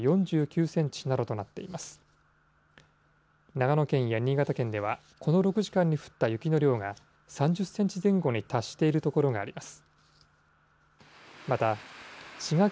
長野県や新潟県では、この６時間に降った雪の量が３０センチ前後に達している所があります。